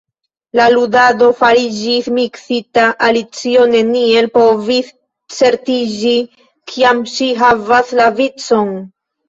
La ludado fariĝis miksita, Alicio neniel povis certiĝi kiam ŝi havas la vicon.